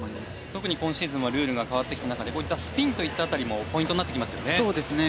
特に今シーズンはルールが変わってきた中でスピンもポイントになってきますよね。